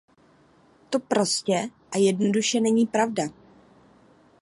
To prstě a jednoduše není pravda.